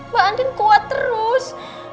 mbak andin kuat terus